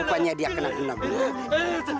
lumpanya dia kena guna guna